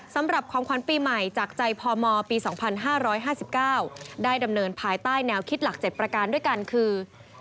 สำหรับของขวัญปีใหม่จากใจพมปี๒๕๕๙ได้ดำเนินภายใต้แนวคิดหลัก๗ประการด้วยกันคือ